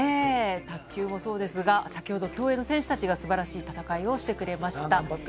卓球もそうですが、先ほど、競泳の選手たちがすばらしい戦いをしてくれました。